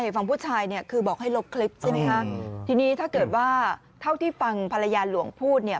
ฝั่งผู้ชายเนี่ยคือบอกให้ลบคลิปใช่ไหมคะทีนี้ถ้าเกิดว่าเท่าที่ฟังภรรยาหลวงพูดเนี่ย